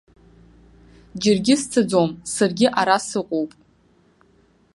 Џьаргьы сцаӡом, саргьы ара сыҟоуп.